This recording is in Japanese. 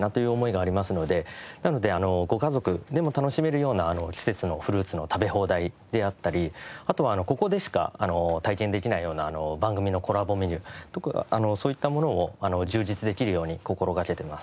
なのでご家族でも楽しめるような季節のフルーツの食べ放題であったりあとはここでしか体験できないような番組のコラボメニューとかそういったものを充実できるように心がけてます。